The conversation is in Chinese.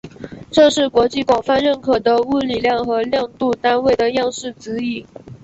这是国际广泛认可的物理量和量度单位的样式指引。